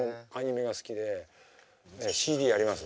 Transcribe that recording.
ＣＤあります？